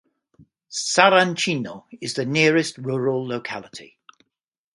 Saranchino is the nearest rural locality.